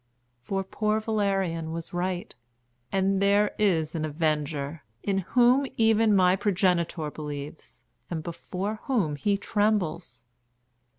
For poor Valerian was right, and there is an Avenger, in whom even my progenitor believes, and before whom he trembles.